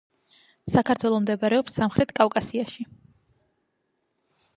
საქართველო მდებარეობს სამხრეთ კავკასიაში.